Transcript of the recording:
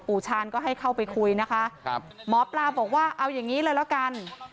ชาญก็ให้เข้าไปคุยนะคะครับหมอปลาบอกว่าเอาอย่างนี้เลยแล้วกัน